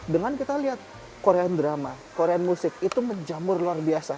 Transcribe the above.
dengan kita lihat korean drama korean musik itu menjamur luar biasa